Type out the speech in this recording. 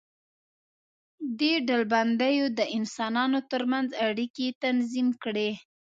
دې ډلبندیو د انسانانو تر منځ اړیکې تنظیم کړې.